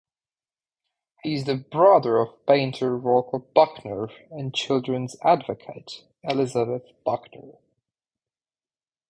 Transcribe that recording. He is the brother of painter Walker Buckner and children's advocate Elizabeth Buckner.